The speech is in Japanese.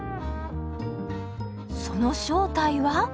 その正体は？